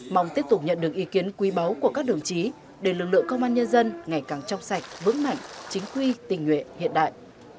mong tiếp tục nhận được ý kiến quý báu của các đồng chí để lực lượng công an nhân dân ngày càng trong sạch vững mạnh chính quy tình nguyện hiện đại